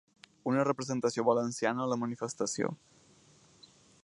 Una representació valenciana a la manifestació.